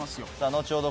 後ほど